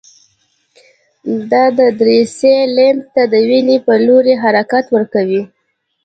دا دریڅې لمف ته د وینې په لوري حرکت ورکوي.